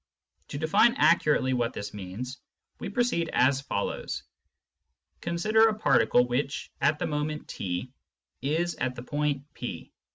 To define accurately what this means, we proceed as follows. Consider a particle which, at the moment /, is at the point P.